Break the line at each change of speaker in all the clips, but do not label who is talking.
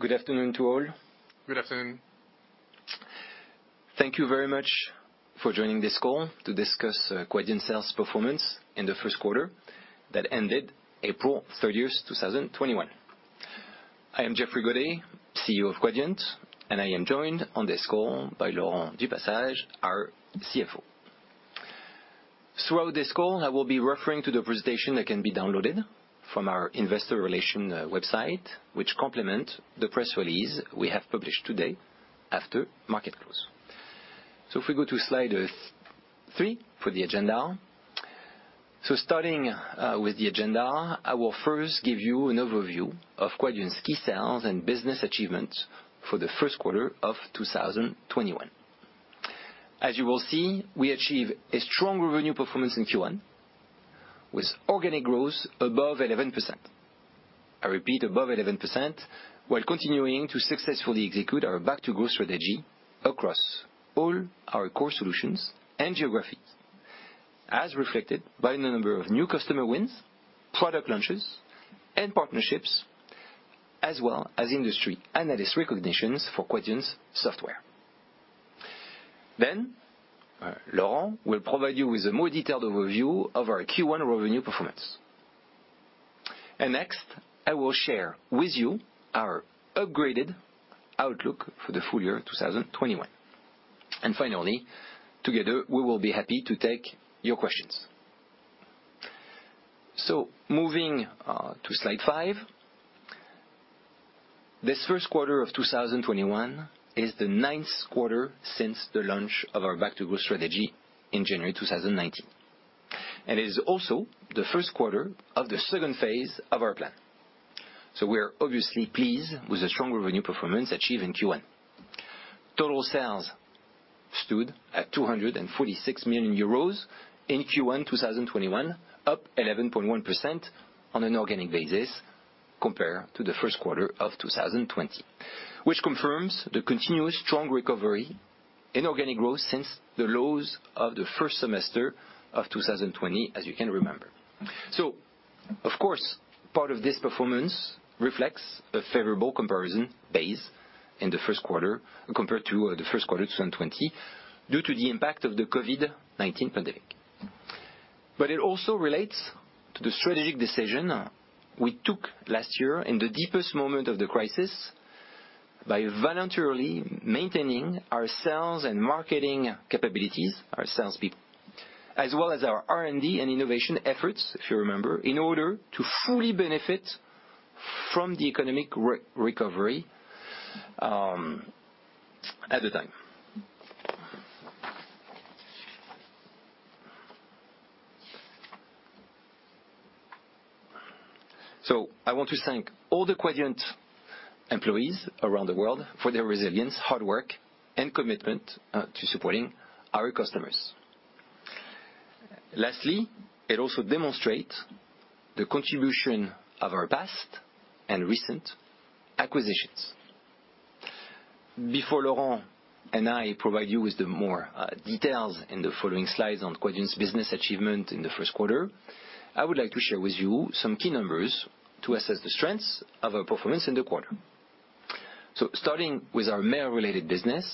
Good afternoon to all.
Good afternoon.
Thank you very much for joining this call to discuss Quadient sales performance in the first quarter that ended April 30th, 2021. I am Geoffrey Godet, CEO of Quadient, and I am joined on this call by Laurent du Passage, our CFO. Throughout this call, I will be referring to the presentation that can be downloaded from our Investor Relations website, which complement the press release we have published today after market close. If we go to slide three for the agenda. Starting with the agenda, I will first give you an overview of Quadient's key sales and business achievements for the first quarter of 2021. As you will see, we achieved a strong revenue performance in Q1 with organic growth above 11%. I repeat above 11%, while continuing to successfully execute our Back to Growth strategy across all our core solutions and geographies, as reflected by the number of new customer wins, product launches and partnerships, as well as industry and analyst recognitions for Quadient's software. Laurent will provide you with a more detailed overview of our Q1 revenue performance. Next, I will share with you our upgraded outlook for the full year 2021. Finally, together, we will be happy to take your questions. Moving to slide five. This first quarter of 2021 is the ninth quarter since the launch of our Back to Growth strategy in January 2019, and it is also the first quarter of the second phase of our plan. We are obviously pleased with the strong revenue performance achieved in Q1. Total sales stood at 246 million euros in Q1 2021, up 11.1% on an organic basis compared to the first quarter of 2020, which confirms the continuous strong recovery in organic growth since the lows of the first semester of 2020, as you can remember. Of course, part of this performance reflects a favorable comparison base in the first quarter compared to the first quarter 2020 due to the impact of the COVID-19 pandemic. It also relates to the strategic decision we took last year in the deepest moment of the crisis by voluntarily maintaining our sales and marketing capabilities, our sales people, as well as our R&D and innovation efforts, if you remember, in order to fully benefit from the economic recovery at the time. I want to thank all the Quadient employees around the world for their resilience, hard work, and commitment to supporting our customers. Lastly, it also demonstrates the contribution of our past and recent acquisitions. Before Laurent and I provide you with more details in the following slides on Quadient's business achievement in the first quarter, I would like to share with you some key numbers to assess the strength of our performance in the quarter. Starting with our mail-related business,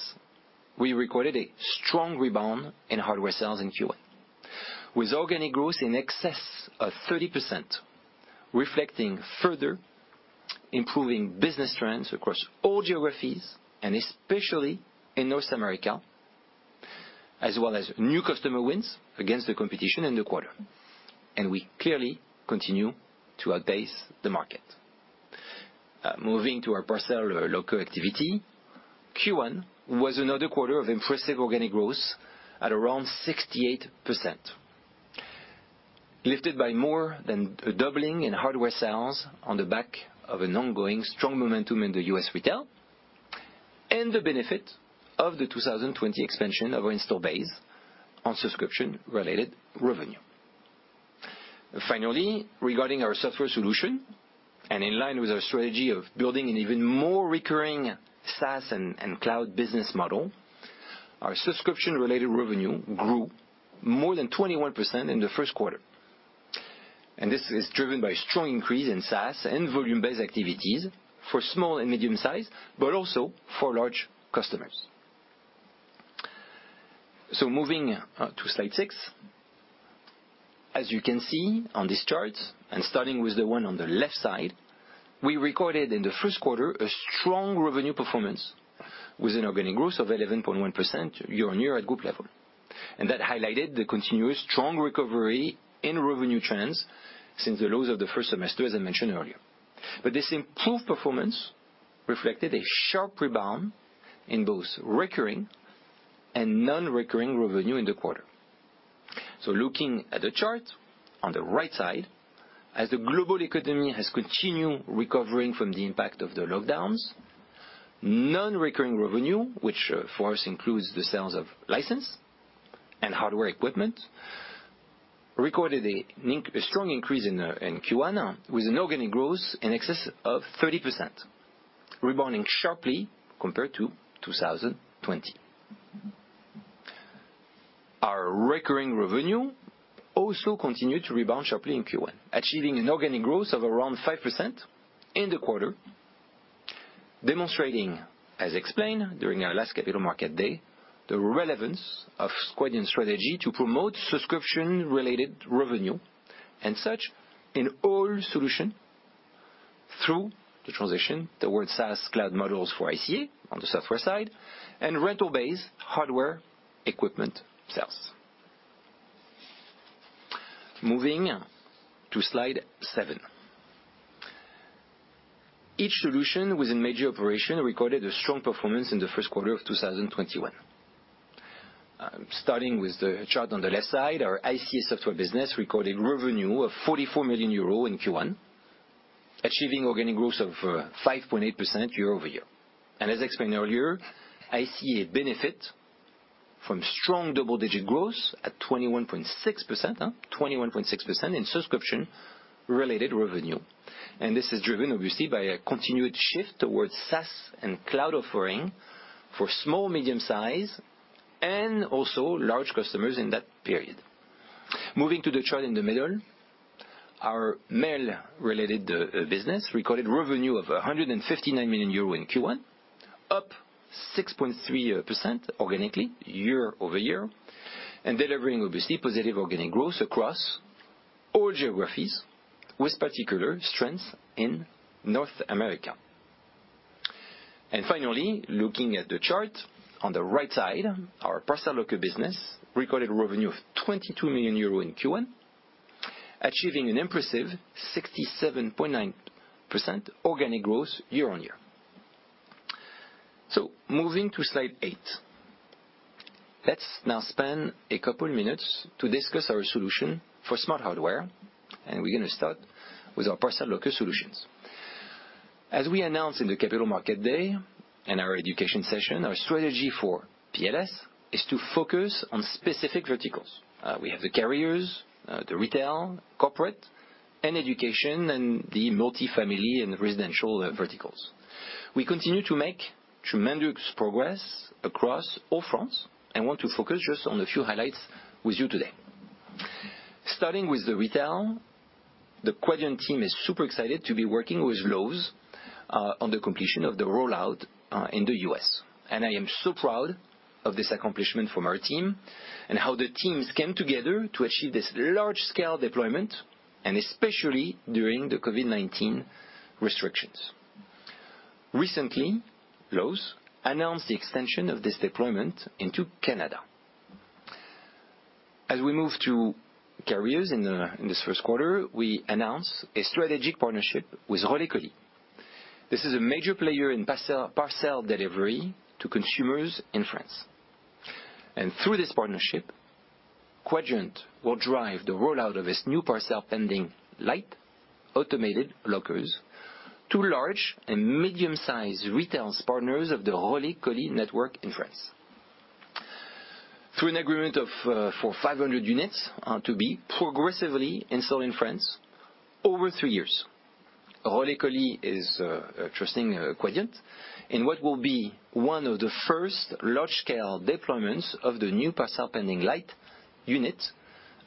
we recorded a strong rebound in hardware sales in Q1 with organic growth in excess of 30%, reflecting further improving business trends across all geographies and especially in North America, as well as new customer wins against the competition in the quarter. We clearly continue to outpace the market. Moving to our parcel locker activity, Q1 was another quarter of impressive organic growth at around 68%, lifted by more than a doubling in hardware sales on the back of an ongoing strong momentum in the U.S. retail and the benefit of the 2020 expansion of our install base on subscription-related revenue. Regarding our software solution and in line with our strategy of building an even more recurring SaaS and cloud business model, our subscription-related revenue grew more than 21% in the first quarter, this is driven by strong increase in SaaS and volume-based activities for small and medium-sized, but also for large customers. Moving to slide six. As you can see on this chart, starting with the one on the left side, we recorded in the first quarter a strong revenue performance with an organic growth of 11.1% year-on-year at group level. That highlighted the continuous strong recovery in revenue trends since the lows of the first semester, as I mentioned earlier. This improved performance reflected a sharp rebound in both recurring and non-recurring revenue in the quarter. Looking at the chart on the right side, as the global economy has continued recovering from the impact of the lockdowns, non-recurring revenue, which for us includes the sales of license and hardware equipment, recorded a strong increase in Q1 with an organic growth in excess of 30%, rebounding sharply compared to 2020. Our recurring revenue also continued to rebound sharply in Q1, achieving an organic growth of around 5% in the quarter, demonstrating, as explained during our last Capital Markets Day, the relevance of Quadient strategy to promote subscription-related revenue and such in all solution through the transition towards SaaS cloud models for ICA on the software side and rental-based hardware equipment sales. Moving to slide seven. Each solution with a major operation recorded a strong performance in the first quarter of 2021. Starting with the chart on the left side, our ICA software business recorded revenue of 44 million euro in Q1, achieving organic growth of 5.8% year-over-year. As explained earlier, ICA benefit from strong double-digit growth at 21.6% in subscription-related revenue. This is driven, obviously, by a continued shift towards SaaS and cloud offering for small, medium-size, and also large customers in that period. Moving to the chart in the middle, our mail-related business recorded revenue of 159 million euro in Q1, up 6.3% organically year-over-year, and delivering, obviously, positive organic growth across all geographies with particular strength in North America. Finally, looking at the chart on the right side, our parcel locker business recorded revenue of 22 million euros in Q1, achieving an impressive 67.9% organic growth year-on-year. Moving to slide eight. Let's now spend a couple minutes to discuss our solution for smart hardware, and we're going to start with our parcel locker solutions. As we announced in the Capital Markets Day and our education session, our strategy for PLS is to focus on specific verticals. We have the carriers, the retail, corporate, and education, and the multifamily and residential verticals. We continue to make tremendous progress across all fronts and want to focus just on a few highlights with you today. Starting with the retail, the Quadient team is super excited to be working with Lowe's on the completion of the rollout in the U.S., and I am so proud of this accomplishment from our team and how the teams came together to achieve this large-scale deployment, and especially during the COVID-19 restrictions. Recently, Lowe's announced the extension of this deployment into Canada. As we move to carriers in this first quarter, we announced a strategic partnership with Relais Colis. This is a major player in parcel delivery to consumers in France. Through this partnership, Quadient will drive the rollout of its new Parcel Pending Lite automated lockers to large and medium-sized retail partners of the Relais Colis network in France through an agreement for 500 units to be progressively installed in France over three years. Relais Colis is trusting Quadient in what will be one of the first large-scale deployments of the new Parcel Pending Lite unit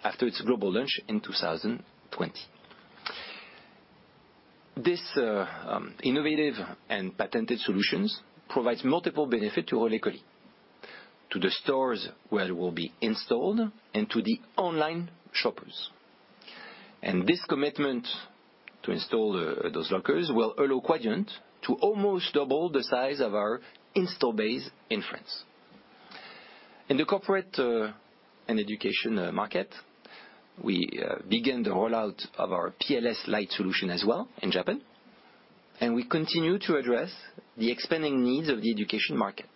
after its global launch in 2020. This innovative and patented solutions provides multiple benefit to Relais Colis, to the stores where it will be installed, and to the online shoppers. This commitment to install those lockers will allow Quadient to almost double the size of our install base in France. In the corporate and education market, we began the rollout of our PLS Lite solution as well in Japan, and we continue to address the expanding needs of the education market.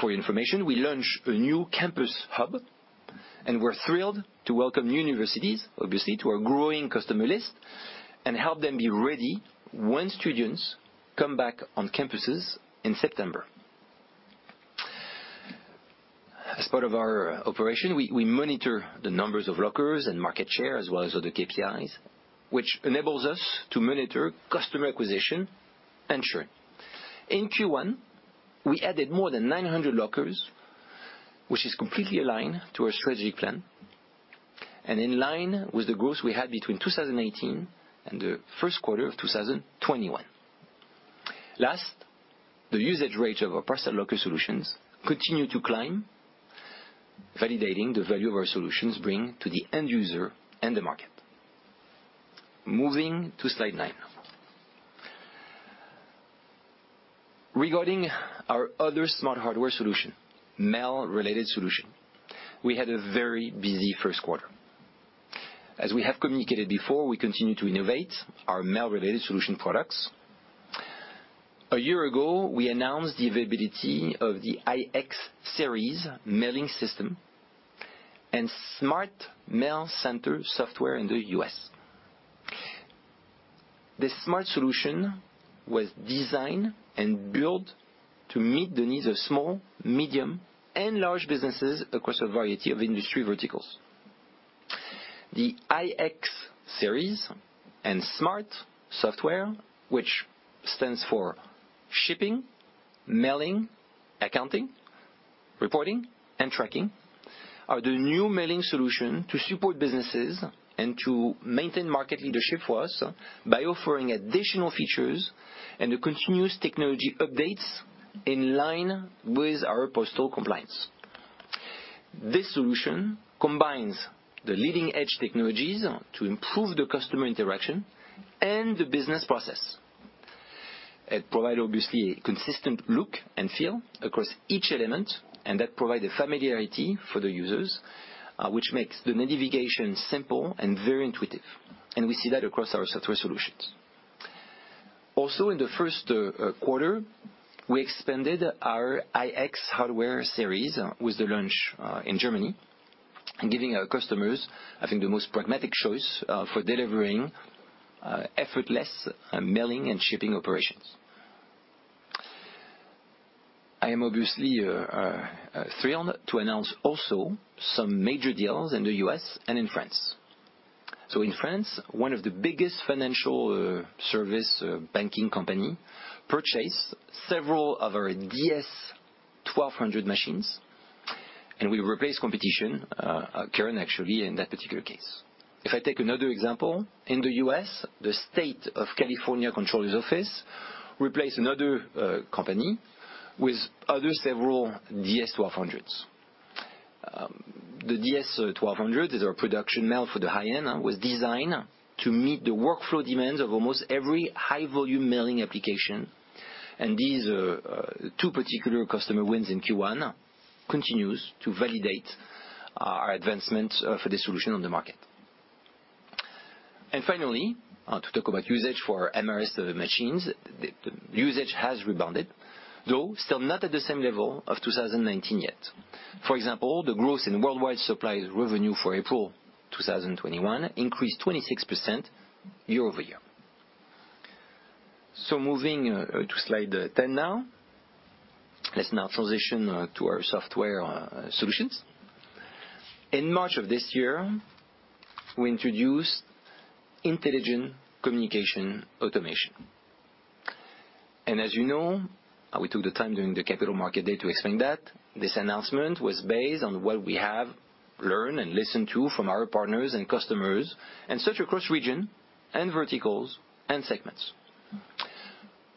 For your information, we launched a new Campus Hub, and we're thrilled to welcome new universities, obviously, to our growing customer list and help them be ready once students come back on campuses in September. As part of our operation, we monitor the numbers of lockers and market share as well as other KPIs, which enables us to monitor customer acquisition and churn. In Q1, we added more than 900 lockers, which is completely aligned to our strategy plan and in line with the growth we had between 2018 and the first quarter of 2021. Last, the usage rate of our parcel locker solutions continue to climb, validating the value our solutions bring to the end user and the market. Moving to slide nine. Regarding our other smart hardware solution, mail-related solution, we had a very busy first quarter. As we have communicated before, we continue to innovate our mail-related solution products. A year ago, we announced the availability of the iX-Series Mailing Systems and S.M.A.R.T. MailCenter software in the U.S. This smart solution was designed and built to meet the needs of small, medium, and large businesses across a variety of industry verticals. The iX-Series and S.M.A.R.T. software, which stands for Shipping, Mailing, Accounting, Reporting, and Tracking, are the new mailing solution to support businesses and to maintain market leadership for us by offering additional features and the continuous technology updates in line with our postal compliance. This solution combines the leading-edge technologies to improve the customer interaction and the business process. It provides obviously a consistent look and feel across each element, and that provide a familiarity for the users, which makes the navigation simple and very intuitive. We see that across our software solutions. Also, in the first quarter, we expanded our iX-Series with the launch in Germany, giving our customers, I think, the most pragmatic choice for delivering effortless mailing and shipping operations. I am obviously thrilled to announce also some major deals in the U.S. and in France. In France, one of the biggest financial service banking company purchased several of our DS-1200 machines, and we replaced competition currently actually in that particular case. If I take another example, in the U.S., the California State Controller's Office replaced another company with other several DS-1200s. The DS-1200 is our production mail for the high end, was designed to meet the workflow demands of almost every high-volume mailing application. These two particular customer wins in Q1 continues to validate our advancements for this solution on the market. Finally, to talk about usage for MRS machines. Usage has rebounded, though still not at the same level of 2019 yet. For example, the growth in worldwide supply revenue for April 2021 increased 26% year-over-year. Moving to slide 10 now. Let's now transition to our software solutions. In March of this year, we introduced Intelligent Communication Automation. As you know, we took the time during the Capital Markets Day to explain that. This announcement was based on what we have learned and listened to from our partners and customers, and such across region and verticals and segments.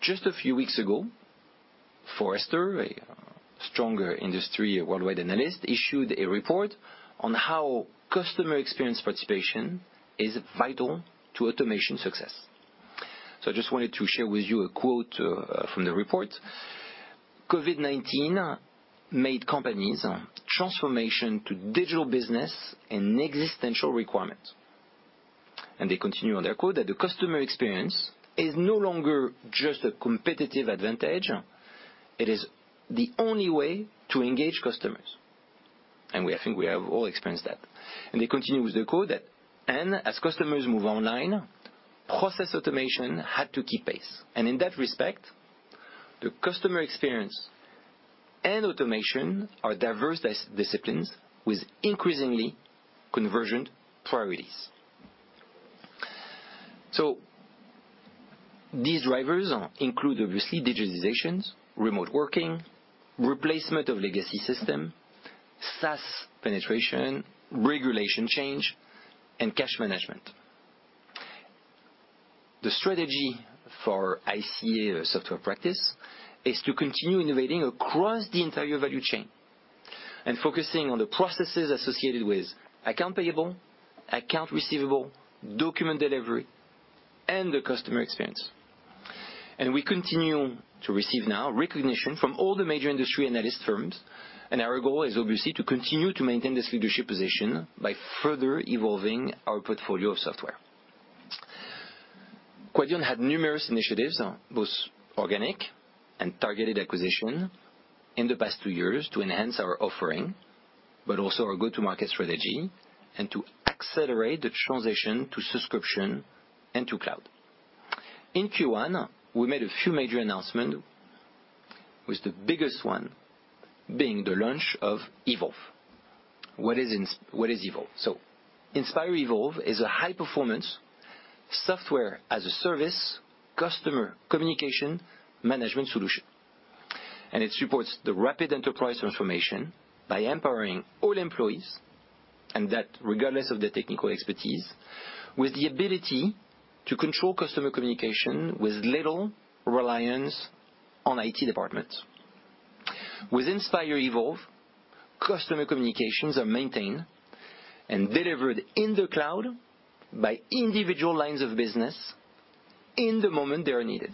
Just a few weeks ago, Forrester, a stronger industry worldwide analyst, issued a report on how customer experience participation is vital to automation success. I just wanted to share with you a quote from the report. "COVID-19 made companies' transformation to digital business an existential requirement." They continue on their quote that, "The customer experience is no longer just a competitive advantage; it is the only way to engage customers." We think we have all experienced that. They continue with the quote, "And as customers move online, process automation had to keep pace. And in that respect, the customer experience and automation are diverse disciplines with increasingly convergent priorities." These drivers include, obviously, digitizations, remote working, replacement of legacy system, SaaS penetration, regulation change, and cash management. The strategy for ICA software practice is to continue innovating across the entire value chain and focusing on the processes associated with account payable, account receivable, document delivery, and the customer experience. We continue to receive now recognition from all the major industry analyst firms, and our goal is obviously to continue to maintain this leadership position by further evolving our portfolio of software. Quadient have numerous initiatives, both organic and targeted acquisition in the past two years to enhance our offering, but also our go-to-market strategy and to accelerate the transition to subscription and to cloud. In Q1, we made a few major announcement, with the biggest one being the launch of Evolve. What is Evolve? Inspire Evolve is a high-performance software-as-a-service customer communications management solution, and it supports the rapid enterprise transformation by empowering all employees, and that regardless of their technical expertise, with the ability to control customer communication with little reliance on IT departments. With Inspire Evolve, customer communications are maintained and delivered in the cloud by individual lines of business in the moment they are needed.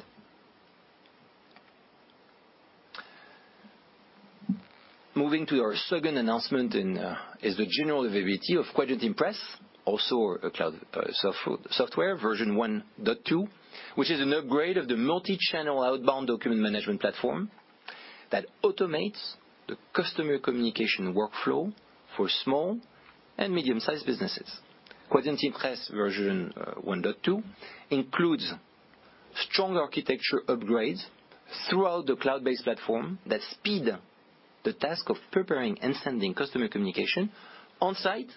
Moving to our second announcement is the general availability of Quadient Impress, also a cloud software, version 1.2, which is an upgrade of the multi-channel outbound document management platform that automates the customer communication workflow for small and medium-sized businesses. Quadient Impress version 1.2 includes strong architecture upgrades throughout the cloud-based platform that speed the task of preparing and sending customer communication on-site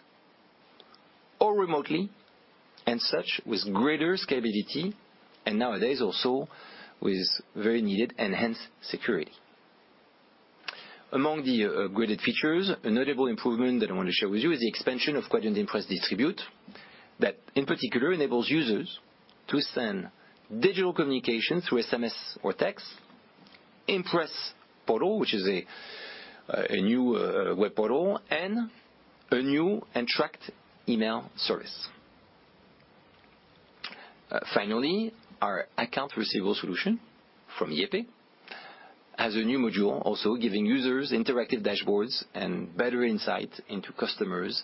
or remotely, and such with greater scalability, and nowadays also with very needed enhanced security. Among the graded features, a notable improvement that I want to share with you is the expansion of Quadient Impress Distribute, that in particular enables users to send digital communication through SMS or text, Impress Portal, which is a new web portal, and a new tracked email service. Finally, our accounts receivable solution from YayPay has a new module also giving users interactive dashboards and better insight into customers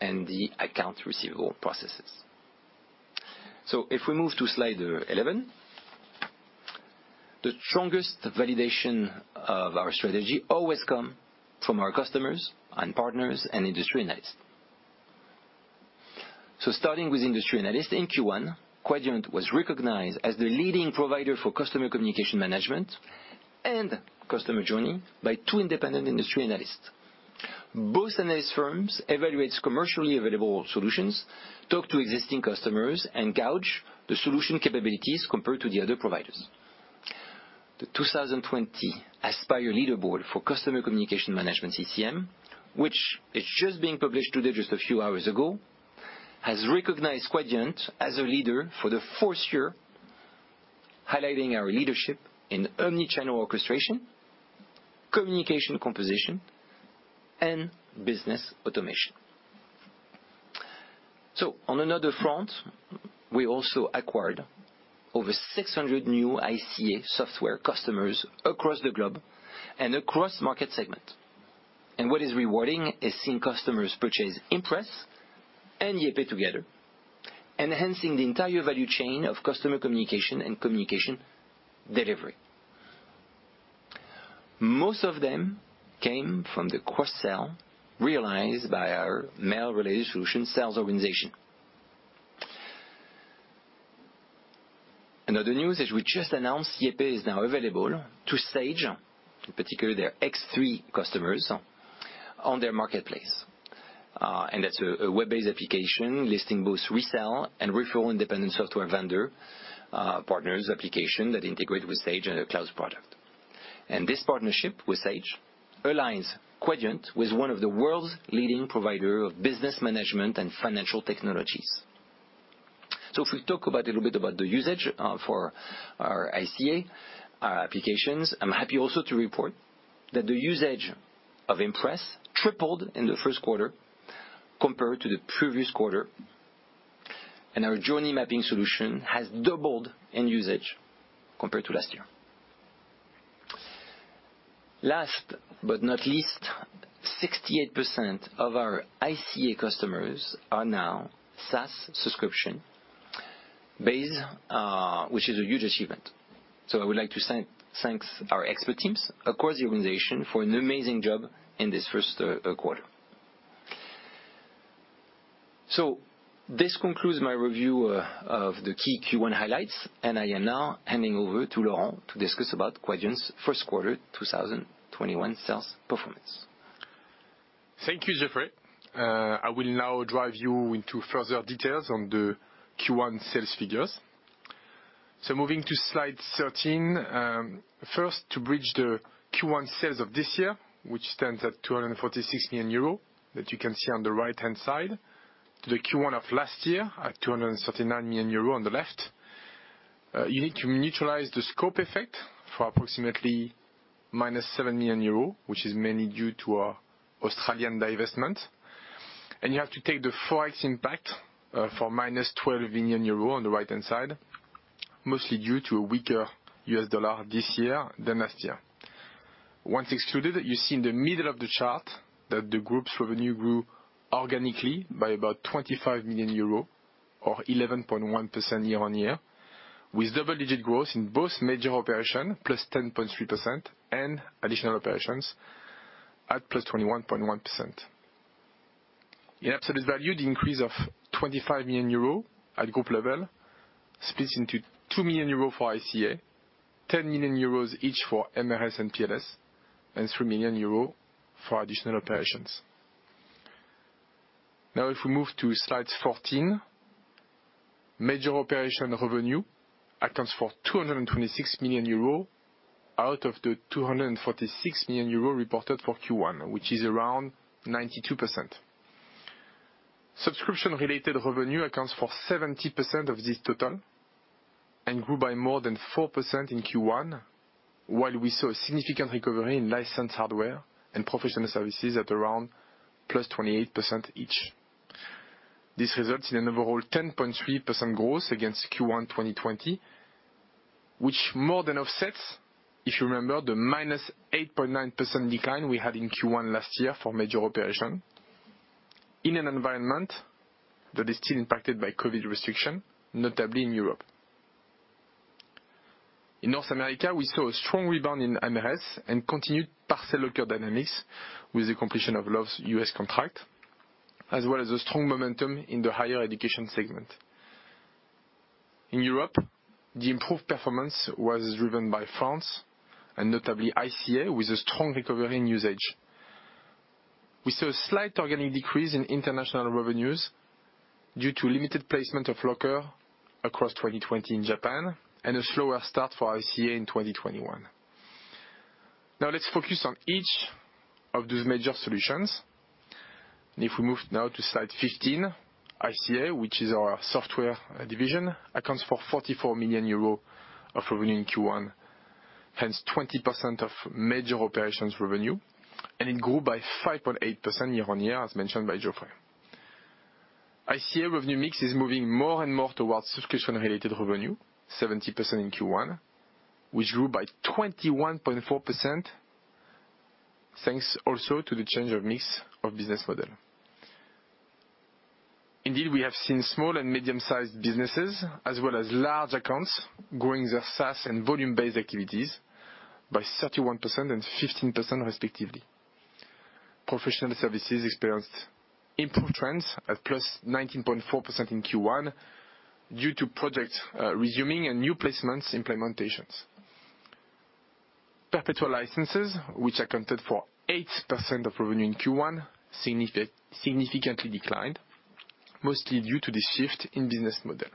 and the accounts receivable processes. If we move to slide 11. The strongest validation of our strategy always come from our customers and partners and industry analysts. Starting with industry analysts in Q1, Quadient was recognized as the leading provider for Customer Communications Management and customer journey by two independent industry analysts. Both analyst firms evaluate commercially available solutions, talk to existing customers, and gauge the solution capabilities compared to the other providers. The 2020 Aspire Leaderboard for Customer Communications Management, CCM, which is just being published today just a few hours ago, has recognized Quadient as a leader for the fourth year, highlighting our leadership in omni-channel orchestration, communication composition, and business automation. On another front, we also acquired over 600 new ICA software customers across the globe and across market segment. What is rewarding is seeing customers purchase Impress and YayPay together, enhancing the entire value chain of customer communication and communication delivery. Most of them came from the cross-sell realized by our mail-related solution sales organization. Another news that we just announced, YayPay is now available to Sage, in particular their X3 customers on their marketplace. That's a web-based application listing both resell and refer independent software vendor partners application that integrate with Sage Intacct product. This partnership with Sage aligns Quadient with one of the world's leading provider of business management and financial technologies. If we talk a little bit about the usage for our ICA applications, I'm happy also to report that the usage of Impress tripled in the first quarter compared to the previous quarter, and our journey mapping solution has doubled in usage compared to last year. Last but not least, 68% of our ICA customers are now SaaS subscription-based, which is a huge achievement. I would like to thank our expert teams across the organization for an amazing job in this first quarter. This concludes my review of the key Q1 highlights, and I am now handing over to Laurent to discuss about Quadient's first quarter 2021 sales performance.
Thank you, Geoffrey. I will now drive you into further details on the Q1 sales figures. Moving to slide 13. First, to bridge the Q1 sales of this year, which stands at 246 million euro, that you can see on the right-hand side, to the Q1 of last year at 239 million euro on the left, you need to neutralize the scope effect for approximately -7 million euros, which is mainly due to our Australian divestment. You have to take the FOREX impact for -12 million euro on the right-hand side, mostly due to a weaker U.S. dollar this year than last year. Once excluded, you see in the middle of the chart that the group's revenue grew organically by about 25 million euros or 11.1% year-on-year, with double-digit growth in both major operation, +10.3%, and additional operations at +21.1%. The absolute value, the increase of 25 million euro at group level splits into 2 million euro for ICA, 10 million euros each for MRS and PLS, and 3 million euro for additional operations. If we move to slides 14. Major operation revenue accounts for 226 million euros out of the 246 million euros reported for Q1, which is around 92%. Subscription-related revenue accounts for 70% of this total and grew by more than 4% in Q1, while we saw a significant recovery in license hardware and professional services at around +28% each. This results in an overall 10.3% growth against Q1 2020, which more than offsets, if you remember, the -8.9% decline we had in Q1 last year for major operation in an environment that is still impacted by COVID-19 restriction, notably in Europe. In North America, we saw a strong rebound in MRS and continued Parcel Locker dynamics with the completion of Lowe's U.S. contract, as well as a strong momentum in the higher education segment. In Europe, the improved performance was driven by France and notably ICA, with a strong recovery in usage. We saw a slight organic decrease in international revenues due to limited placement of locker across 2020 in Japan, and a slower start for ICA in 2021. Now let's focus on each of those major solutions. If we move now to slide 15, ICA, which is our software division, accounts for 44 million euro of revenue in Q1, hence 20% of major operations revenue, and it grew by 5.8% year-on-year, as mentioned by Geoffrey. ICA revenue mix is moving more and more towards subscription-related revenue, 17% in Q1, which grew by 21.4%, thanks also to the change of mix of business model. Indeed, we have seen small and medium-sized businesses as well as large accounts growing their SaaS and volume-based activities by 31% and 15% respectively. Professional services experienced improvement at +19.4% in Q1 due to projects resuming and new placements implementations. Perpetual licenses, which accounted for 8% of revenue in Q1, significantly declined, mostly due to the shift in business model.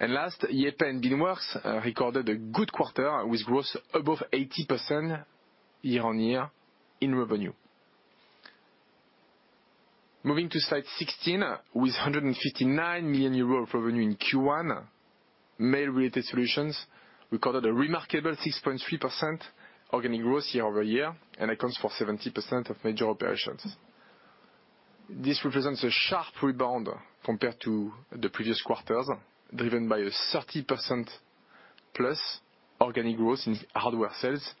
Last, YayPay and Beanworks recorded a good quarter with growth above 80% year-on-year in revenue. Moving to slide 16, with 159 million euros of revenue in Q1, mail-related solutions recorded a remarkable 6.3% organic growth year-over-year and accounts for 70% of major operations. This represents a sharp rebound compared to the previous quarters, driven by a 30%+ organic growth in hardware sales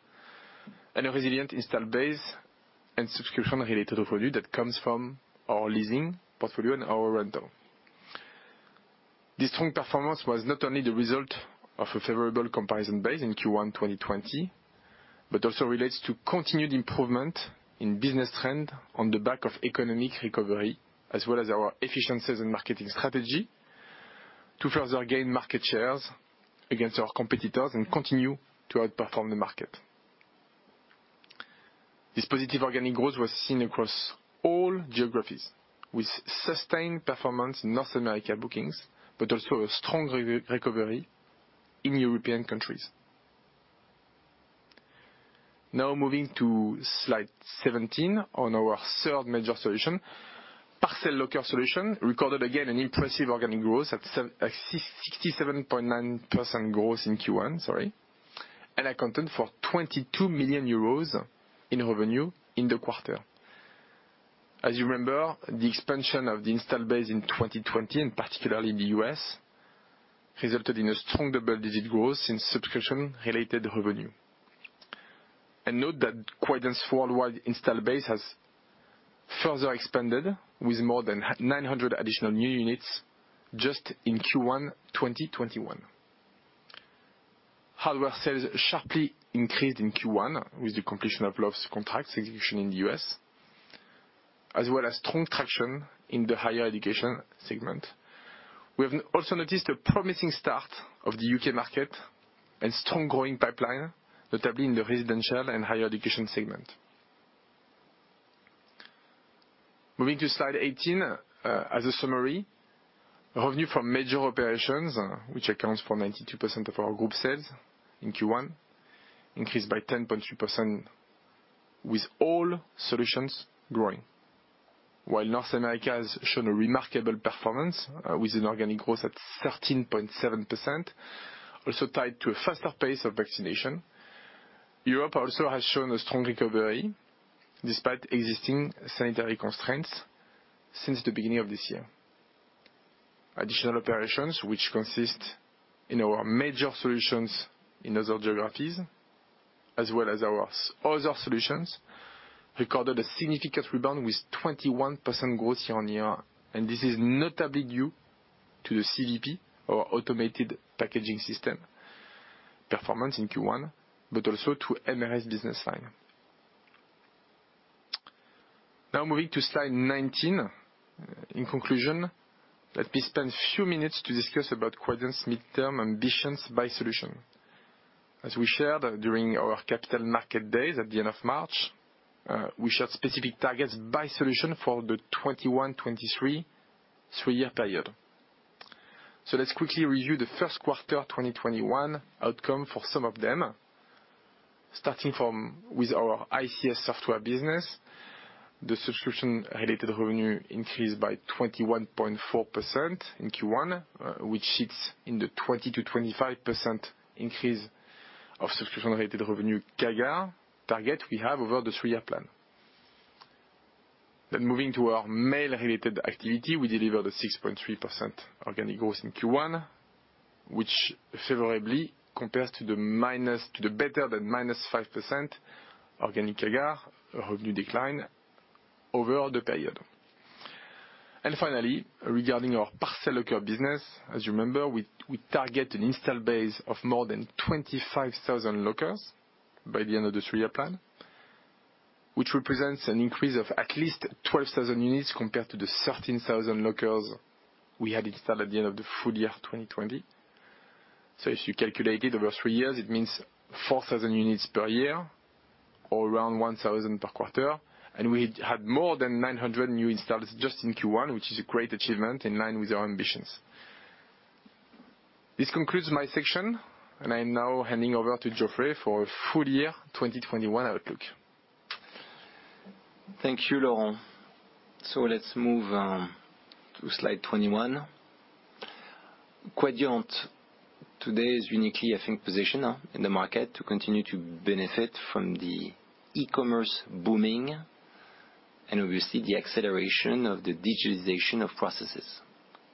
and a resilient install base and subscription-related revenue that comes from our leasing portfolio and our rental. Also relates to continued improvement in business trend on the back of economic recovery, as well as our efficiencies and marketing strategy to further gain market shares against our competitors and continue to outperform the market. This positive organic growth was seen across all geographies with sustained performance in North America bookings, also a strong recovery in European countries. Moving to slide 17 on our third major solution. Parcel Locker solution recorded again an impressive organic growth at 67.9% growth in Q1, sorry, and accounted for 22 million euros in revenue in the quarter. You remember, the expansion of the installed base in 2020, and particularly the U.S., resulted in a strong double-digit growth in subscription-related revenue. Note that Quadient's worldwide installed base has further expanded with more than 900 additional new units just in Q1 2021. Hardware sales sharply increased in Q1 with the completion of Lowe's contract execution in the U.S., as well as strong traction in the higher education segment. We have also noticed a promising start of the U.K. market and strong growing pipeline, notably in the residential and higher education segment. Moving to slide 18, as a summary, revenue from major operations, which accounts for 92% of our group sales in Q1, increased by 10.2% with all solutions growing. While North America has shown a remarkable performance with an organic growth at 13.7%, also tied to a faster pace of vaccination, Europe also has shown a strong recovery despite existing sanitary constraints since the beginning of this year. Additional operations which consist in our major solutions in other geographies as well as our other solutions recorded a significant rebound with 21% growth year-on-year. This is notably due to the CVP or automated packaging system performance in Q1, but also to MRS business line. Moving to slide 19. In conclusion, let me spend a few minutes to discuss about Quadient's midterm ambitions by solution. As we shared during our Capital Markets Day at the end of March, we set specific targets by solution for the 2021, 2023, three-year period. Let's quickly review the first quarter 2021 outcome for some of them. Starting with our ICA software business, the subscription-related revenue increased by 21.4% in Q1, which sits in the 20%-25% increase of subscription-related revenue CAGR target we have over the three-year plan. Moving to our mail-related activity, we delivered a 6.3% organic growth in Q1, which favorably compares to the better than -5% organic CAGR revenue decline over the period. Finally, regarding our parcel locker business, as you remember, we target an install base of more than 25,000 lockers by the end of the three-year plan, which represents an increase of at least 12,000 units compared to the 13,000 lockers we had installed at the end of the full year 2020. If you calculate it over three years, it means 4,000 units per year or around 1,000 per quarter. We had more than 900 new installs just in Q1, which is a great achievement in line with our ambitions. This concludes my section, and I'm now handing over to Geoffrey for our full year 2021 outlook.
Thank you, Laurent. Let's move to slide 21. Quadient today is uniquely, I think, positioned in the market to continue to benefit from the e-commerce booming and obviously the acceleration of the digitization of processes,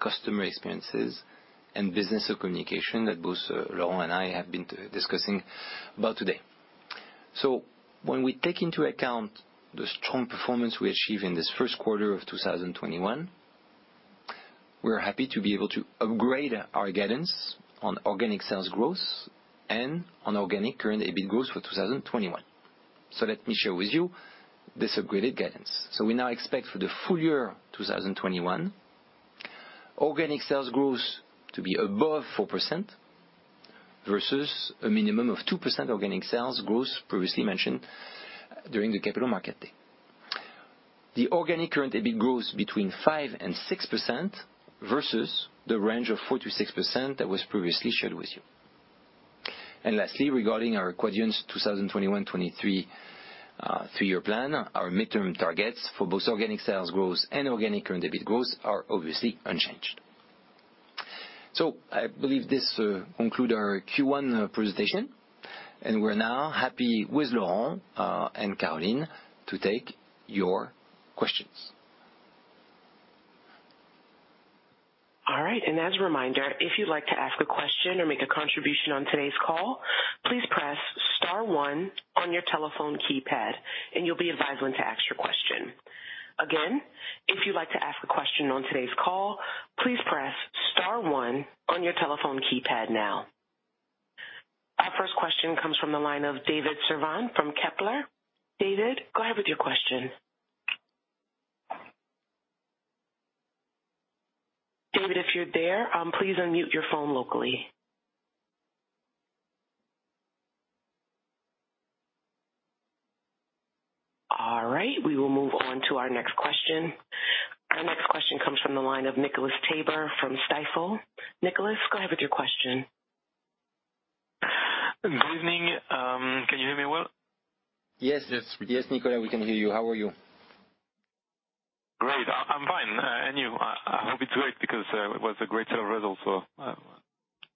customer experiences, and business communication that both Laurent and I have been discussing about today. When we take into account the strong performance we achieved in this first quarter of 2021, we're happy to be able to upgrade our guidance on organic sales growth and on organic current EBIT growth for 2021. Let me share with you this upgraded guidance. We now expect for the full year 2021 organic sales growth to be above 4% versus a minimum of 2% organic sales growth previously mentioned during the Capital Markets Day. The organic current EBIT grows between 5% and 6% versus the range of 4%-6% that was previously shared with you. Lastly, regarding our Quadient's 2021-2023 three-year plan, our midterm targets for both organic sales growth and organic current EBIT growth are obviously unchanged. I believe this concludes our Q1 presentation, and we're now happy with Laurent and Caroline to take your questions.
All right. As a reminder, if you'd like to ask a question or make a contribution on today's call, please press star one on your telephone keypad and you'll be advised when to ask your question. Again, if you'd like to ask a question on today's call, please press star one on your telephone keypad now. Our first question comes from the line of David Cerdan from Kepler. David, go ahead with your question. David, if you're there, please unmute your phone locally. All right. We will move on to our next question. Our next question comes from the line of Nicolas Tabor from Stifel. Nicolas, go ahead with your question.
Good evening. Can you hear me well?
Yes. Yes, Nicolas, we can hear you. How are you?
Great. I'm fine. You? I hope it's great because it was a great set of results.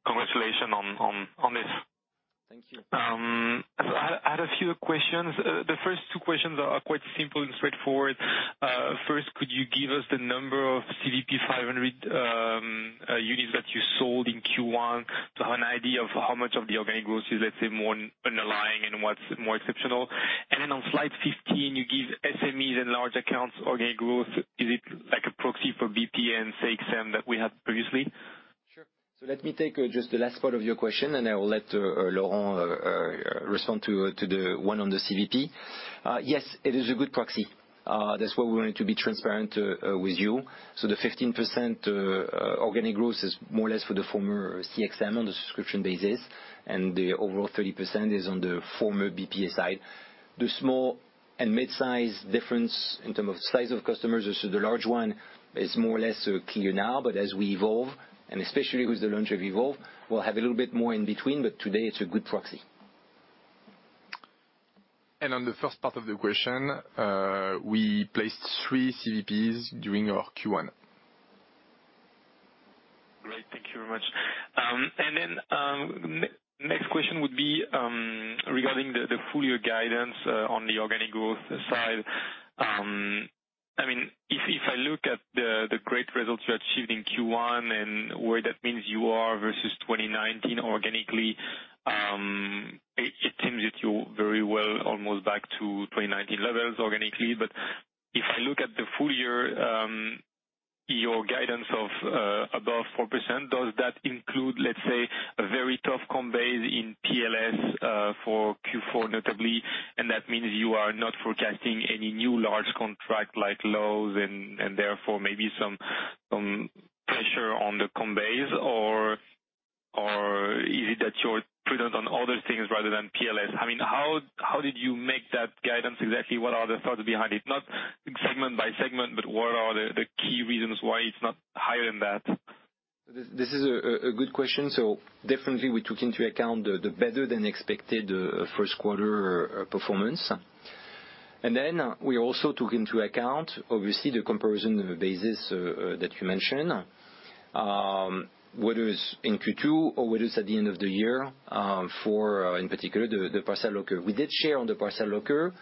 Congratulations on this.
Thank you.
I had a few questions. The first two questions are quite simple and straightforward. First, could you give us the number of CVP-500 units that you sold in Q1? An idea of how much of the organic growth is, let's say, more underlying and what's more exceptional. On slide 15, you give SMEs and large accounts organic growth. Is it like a proxy for BPA, CXM that we had previously?
Sure. Let me take just the last part of your question, and I will let Laurent respond to the one on the CVP. Yes, it is a good proxy. That's why we wanted to be transparent with you. The 15% organic growth is more or less for the former CXM on the subscription basis, and the overall 30% is on the former BPA side. The small and mid-size difference in terms of size of customers versus the large one is more or less clear now. As we evolve, and especially with the launch of Evolve, we'll have a little bit more in between, but today it's a good proxy.
On the first part of the question, we placed three CVPs during our Q1.
Great. Thank you very much. Next question would be regarding the full year guidance on the organic growth side. If I look at the great results you achieved in Q1 and where that means you are versus 2019 organically, it seems that you're very well almost back to 2019 levels organically. If you look at the full year, your guidance of above 4%, does that include, let's say, a very tough compare in PLS for Q4 notably, and that means you are not forecasting any new large contract like Lowe's and therefore maybe some pressure on the compares? Is it that you're present on other things rather than PLS? How did you make that guidance exactly? What are the thoughts behind it? Not segment by segment, but what are the key reasons why it's not higher than that?
This is a good question. Definitely we took into account the better-than-expected first quarter performance. We also took into account, obviously, the comparison of the basis that you mentioned, whether it's in Q2 or whether it's at the end of the year for, in particular, the Parcel Locker. We did share on the Parcel Locker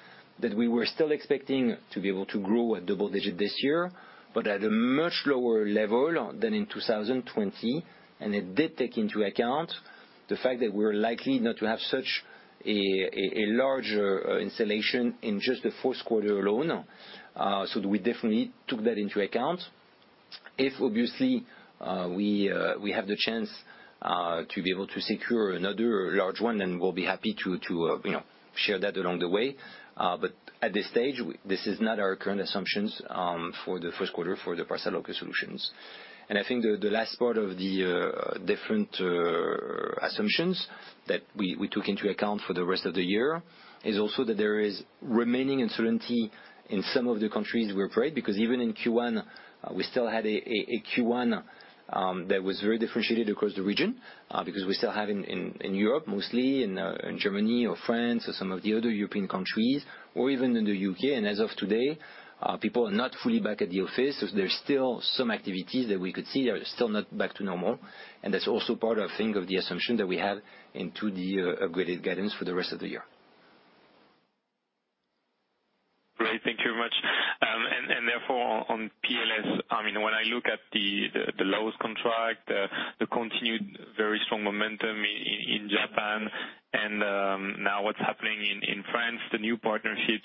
that we were still expecting to be able to grow at double-digit this year, but at a much lower level than in 2020. It did take into account the fact that we're likely not to have such a large installation in just the first quarter alone. If, obviously, we have the chance to be able to secure another large one, then we'll be happy to share that along the way. At this stage, this is not our current assumptions for the first quarter for the Parcel Locker Solutions. I think the last part of the different assumptions that we took into account for the rest of the year is also that there is remaining uncertainty in some of the countries we operate, because even in Q1, we still had a Q1 that was very differentiated across the region because we still have in Europe mostly, in Germany or France or some of the other European countries, or even in the U.K. As of today, people are not fully back at the office. There's still some activity that we could see are still not back to normal, and that's also part of, I think, the assumption that we had into the upgraded guidance for the rest of the year.
Great. Thank you very much. On PLS, when I look at the Lowe's contract, the continued very strong momentum in Japan and now what's happening in France, the new partnerships,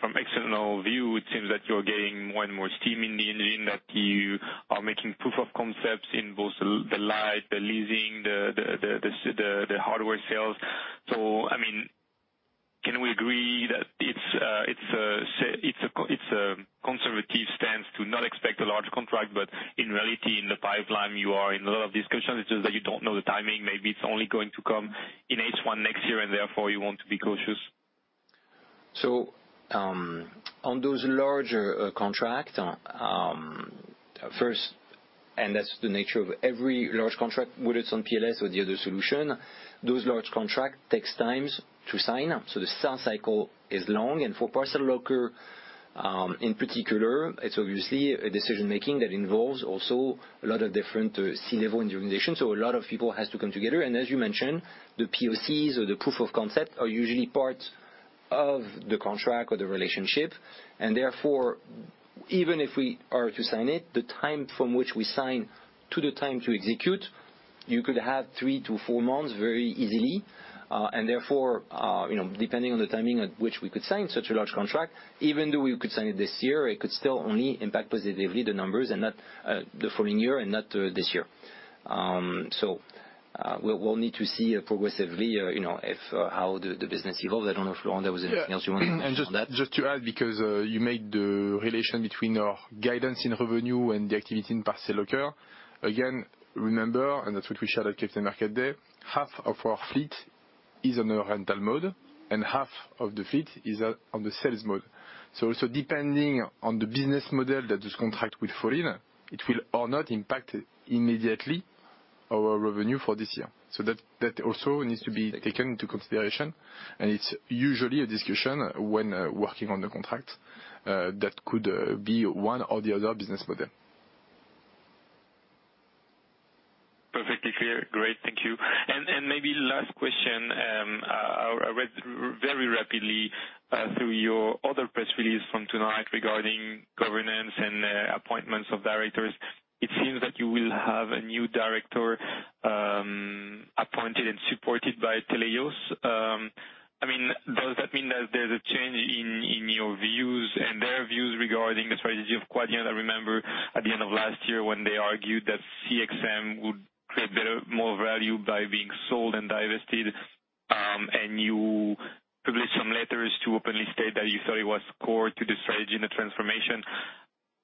from external view, it seems that you're getting one more steam in the engine, that you are making proof of concepts in both the light, the leasing, the hardware sales. Can we agree that it's a conservative stance to not expect a large contract, but in reality, in the pipeline, you are in a lot of discussions, it's just that you don't know the timing. Maybe it's only going to come in H1 next year, and therefore you want to be cautious.
On those larger contracts, first, and that's the nature of every large contract, whether it's on PLS or the other solution, those large contract takes time to sign up. The sale cycle is long. For Parcel Locker, in particular, it's obviously a decision-making that involves also a lot of different C-level in the organization. A lot of people has to come together. As you mentioned, the POCs or the proof of concept are usually part of the contract or the relationship. Therefore, even if we are to sign it, the time from which we sign to the time to execute, you could have three to four months very easily. Therefore, depending on the timing at which we could sign such a large contract, even though we could sign it this year, it could still only impact positively the numbers and not the following year and not this year. We'll need to see progressively how the business evolves. I don't know if you want to add something else.
Just to add, because you made the relation between our guidance in revenue and the activity in Parcel Locker. Again, remember, and that's what we shared at Capital Markets Day, half of our fleet is on a rental mode and half of the fleet is on the sales mode. It's depending on the business model that this contract will fall in, it will or not impact immediately our revenue for this year.
That also needs to be taken into consideration. It's usually a discussion when working on the contract that could be one or the other business model.
Perfectly clear. Great. Thank you. Maybe last question, I read very rapidly through your other press release from tonight regarding governance and appointments of directors. It seems that you will have a new director appointed and supported by Teleios. Does that mean that there's a change in your views and their views regarding the strategy of Quadient? I remember at the end of last year when they argued that CXM would create more value by being sold and divested, and you published some letters to openly state that you thought it was core to the strategy and the transformation.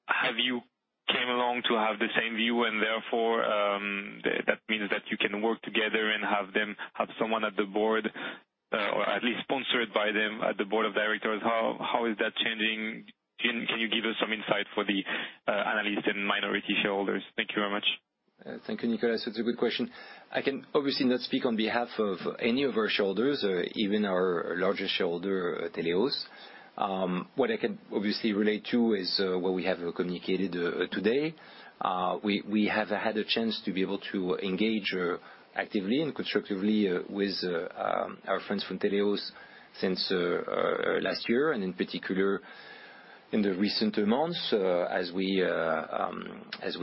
Have you came along to have the same view and therefore, that means that you can work together and have someone at the board, or at least sponsored by them at the board of directors? How is that changing? Can you give us some insight for the analysts and minority shareholders? Thank you very much.
Thank you, Nicolas. It's a good question. I can obviously not speak on behalf of any of our shareholders, even our largest shareholder, Teleios. What I can obviously relate to is what we have communicated today. We have had a chance to be able to engage actively and constructively with our friends from Teleios since last year, and in particular in the recent months as we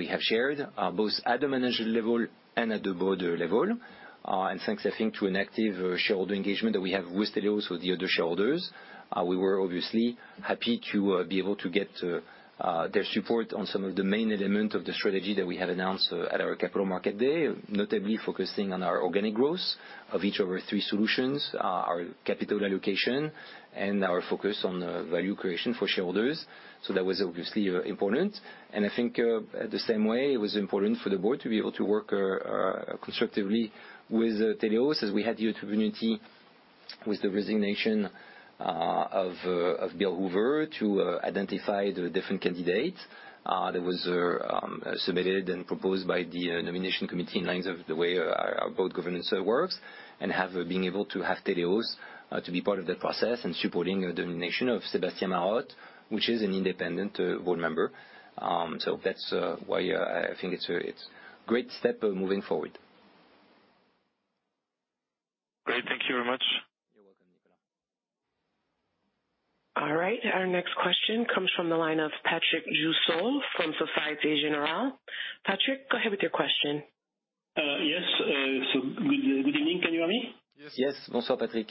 have shared, both at the management level and at the board level. In fact, I think through an active shareholder engagement that we have with Teleios, with the other shareholders, we were obviously happy to be able to get their support on some of the main elements of the strategy that we had announced at our Capital Markets Day, notably focusing on our organic growth of each of our three solutions, our capital allocation, and our focus on the value creation for shareholders. That was obviously important. I think the same way it was important for the board to be able to work constructively with Teleios, as we had the opportunity with the resignation of William Hoover to identify the different candidates that was submitted and proposed by the nomination committee in lines of the way our board governance works, and have been able to have Teleios to be part of that process and supporting the nomination of Sébastien Marotte, which is an independent board member. That's why I think it's a great step moving forward.
All right. Our next question comes from the line of Patrick Jousseaume from Société Générale. Patrick, go ahead with your question.
Yes. Good evening. Can you hear me?
Yes.
Yes. Patrick.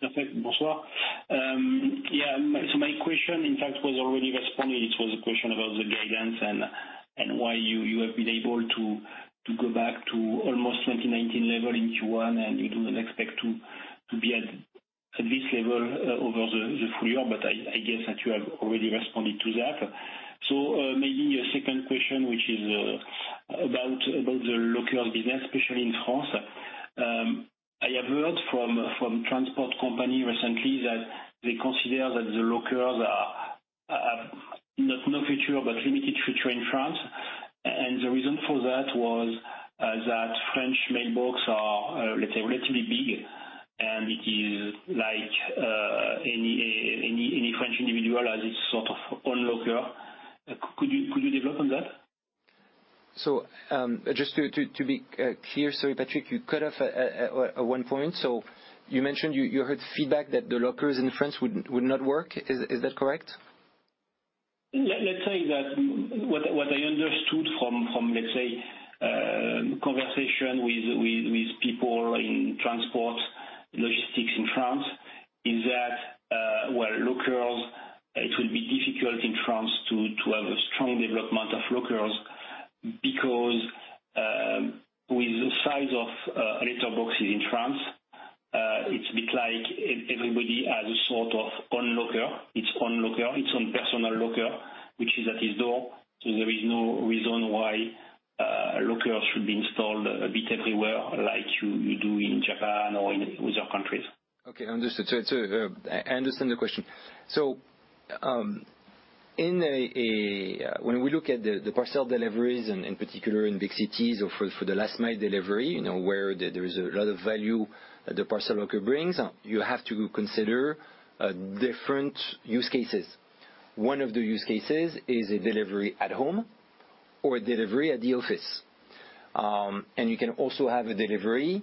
Perfect. My question, in fact, was already responded. It was a question about the guidance and why you have been able to go back to almost 2019 level in Q1, and you don't expect to be at this level over the full year, but I guess that you have already responded to that. Maybe a second question, which is about the local business, especially in France. I have heard from transport company recently that they consider that the lockers are not no future, but limited future in France, and the reason for that was that French mailbox are relatively big, and it is like any French individual has its sort of own locker. Could you develop on that?
Just to be clear. Sorry, Patrick, you cut off at one point. You mentioned you heard feedback that the lockers in France would not work. Is that correct?
Let's say that what I understood from, let's say, conversation with people in transport logistics in France, is that, well, lockers, it will be difficult in France to have a strong development of lockers because with the size of letterbox in France, it's a bit like everybody has a sort of own locker. Its own locker, its own personal locker, which is at his door, there is no reason why lockers should be installed a bit everywhere like you do in Japan or in other countries.
Okay, understood. I understand the question. When we look at the parcel deliveries and in particular in the cities or for the last mile delivery, where there is a lot of value that the Parcel Locker brings, you have to consider different use cases. One of the use cases is a delivery at home or a delivery at the office. You can also have a delivery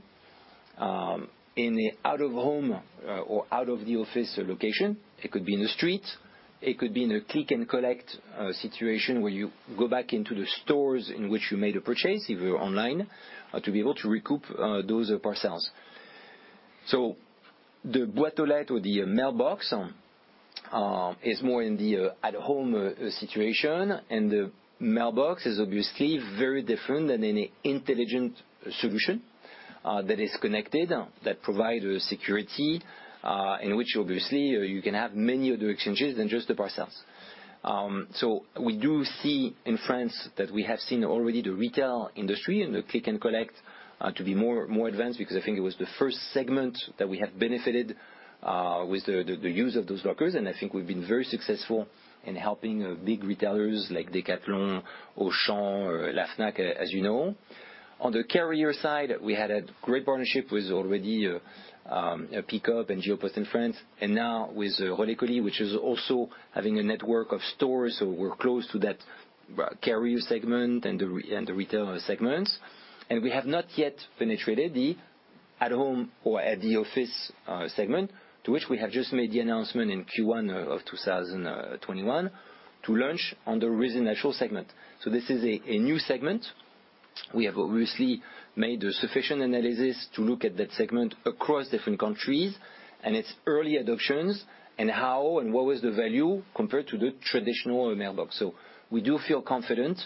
in a out of home or out of the office location. It could be in the street, it could be in a click and collect situation where you go back into the stores in which you made a purchase, if you're online, to be able to recoup those parcels. The boîte aux lettres or the mailbox is more in the at home situation, and the mailbox is obviously very different than any intelligent solution that is connected, that provides security, in which obviously you can have many other exchanges than just the parcels. We do see in France that we have seen already the retail industry and the click and collect to be more advanced because I think it was the first segment that we have benefited with the use of those lockers, and I think we've been very successful in helping big retailers like Decathlon, Auchan, Fnac, as you know. On the carrier side, we had a great partnership with already Pickup and Geopost in France, and now with Relais Colis, which is also having a network of stores. We're close to that carrier segment and the retail segments. We have not yet penetrated the at home or at the office segment, to which we have just made the announcement in Q1 2021 to launch on the residential segment. This is a new segment. We have obviously made the sufficient analysis to look at that segment across different countries and its early adoptions and how and what was the value compared to the traditional mailbox. We do feel confident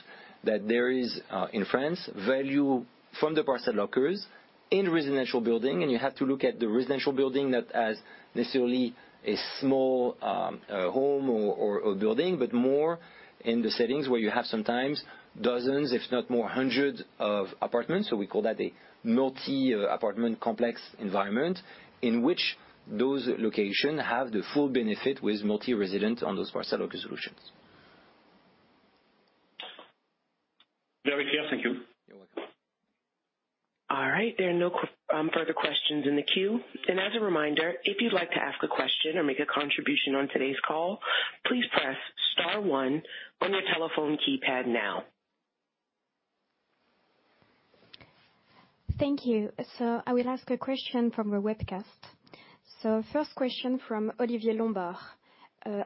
that there is, in France, value from the parcel lockers in residential building, and you have to look at the residential building not as necessarily a small home or a building, but more in the settings where you have sometimes dozens, if not more hundreds of apartments. We call that a multi-apartment complex environment in which those locations have the full benefit with multi-residents on those parcel solutions.
Very clear. Thank you.
You're welcome.
All right. There are no further questions in the queue. As a reminder, if you'd like to ask a question or make a contribution on today's call, please press star one on your telephone keypad now.
Thank you. I will ask a question from the webcast. First question from Olivier Lombard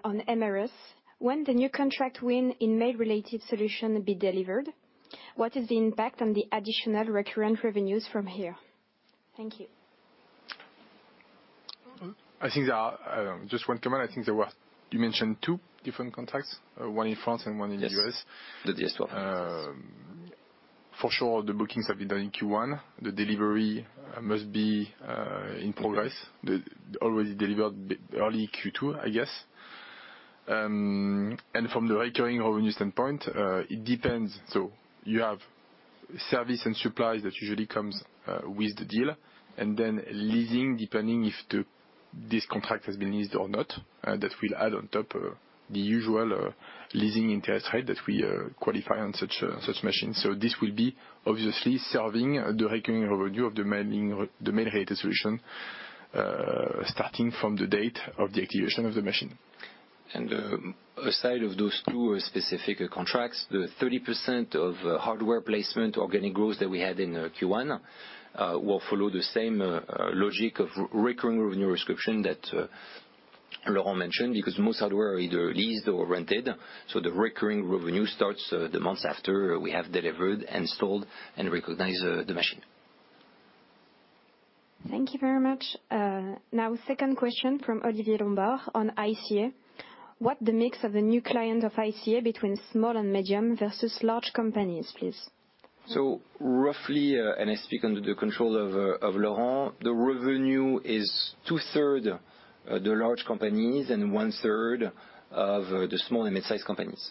on MRS. When the new contract win in Mail-Related Solutions will be delivered, what is the impact on the additional recurrent revenues from here? Thank you.
I think just one comment. I think you mentioned two different contracts, one in France and one in the U.S.
Yes.
For sure, the bookings have been done in Q1. The delivery must be in progress. Already delivered early Q2, I guess. From the recurring revenue standpoint, it depends. You have service and supply that usually comes with the deal, and then leasing, depending if this contract has been leased or not. That will add on top of the usual leasing interest rate that we qualify on such machine. This will be obviously serving the recurring revenue of the Mail-Related Solutions, starting from the date of the activation of the machine.
Aside of those two specific contracts, the 30% of hardware placement organic growth that we had in Q1 will follow the same logic of recurring revenue subscription that Laurent mentioned, because most hardware either leased or rented. The recurring revenue starts the month after we have delivered, installed, and recognized the machine.
Thank you very much. Second question from Olivier Lombard on ICA. What the mix of the new client of ICA between small and medium versus large companies, please?
Roughly, and I speak under the control of Laurent, the revenue is 2/3 the large companies and 1/3 of the small and midsize companies.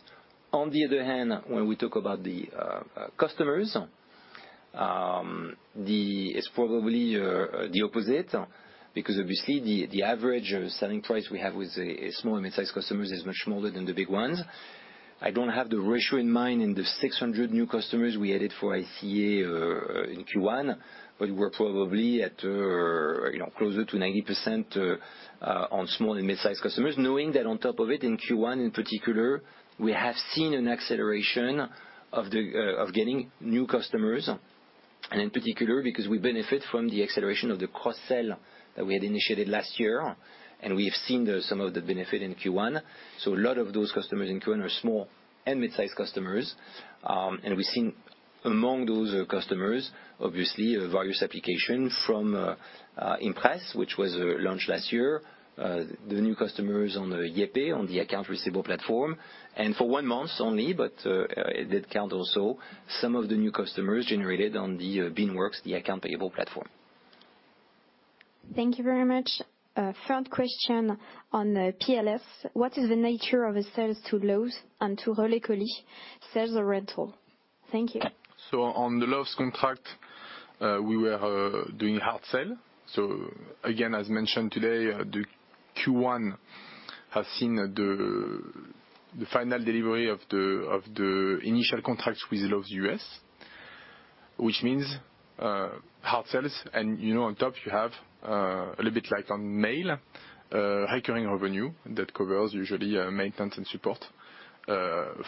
On the other hand, when we talk about the customers, it's probably the opposite because obviously the average selling price we have with the small and midsize customers is much smaller than the big ones. I don't have the ratio in mind in the 600 new customers we added for ICA in Q1, but we're probably at closer to 90% on small and midsize customers. Knowing that on top of it in Q1 in particular, we have seen an acceleration of getting new customers, and in particular because we benefit from the acceleration of the cross-sell that we had initiated last year. We have seen some of the benefit in Q1. A lot of those customers in Q1 are small and midsize customers. We've seen among those customers obviously various application from Quadient Impress, which was launched last year. The new customers on the YayPay, on the account receivable platform, and for one month only, but it did count also some of the new customers generated on the Beanworks, the account payable platform.
Thank you very much. Third question on PLS, what is the nature of sales to Lowe's and to Relais Colis? Sales or rental? Thank you.
On the Lowe's contract, we were doing a hard sell. Again, as mentioned today, the Q1 has seen the final delivery of the initial contract with Lowe's U.S., which means hard sales. On top you have a little bit like on mail, recurring revenue that covers usually maintenance and support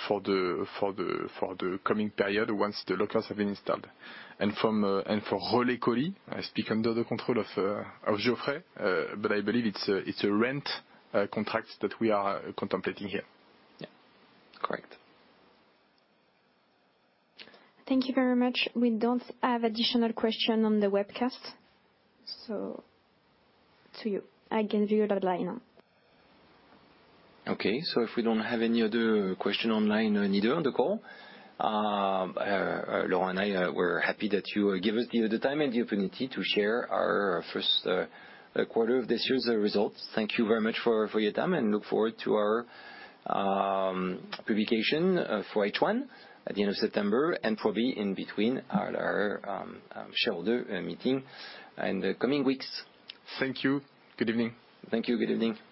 for the coming period once the lockers have been installed. For Relais Colis, I speak under the control of Geoffrey, but I believe it's a rent contract that we are contemplating here.
Yeah.
Correct.
Thank you very much. We don't have additional question on the webcast, so to you. I can do it online now.
Okay. If we don't have any other question online or neither on the call, Laurent and I, we're happy that you give us the time and the opportunity to share our first quarter of this year's results. Thank you very much for your time and look forward to our publication for H1 at the end of September and probably in between our shareholder meeting in the coming weeks.
Thank you. Good evening.
Thank you. Good evening.